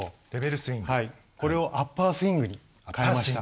これをアッパースイングに変えました。